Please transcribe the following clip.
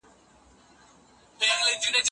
هيله انسان ژوندی ساتي.